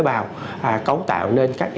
chất đạm là thành phần cấu tạo nên các tế bào